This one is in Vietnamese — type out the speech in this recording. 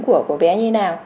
của bé như thế nào